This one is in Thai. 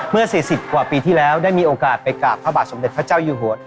๔๐กว่าปีที่แล้วได้มีโอกาสไปกราบพระบาทสมเด็จพระเจ้าอยู่หัว